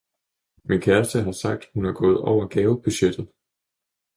Min kæreste har sagt, hun er gået over gavebudgettet.